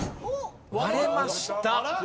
割れました。